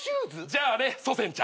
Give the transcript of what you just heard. じゃあね祖先ちゃん。